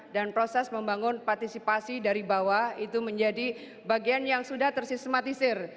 dan proses membangun partisipasi dari bawah itu menjadi bagian yang sudah tersistematisir